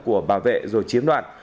của bảo vệ rồi chiếm đoạt